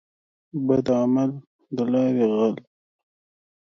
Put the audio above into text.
بد عمل دلاري غل.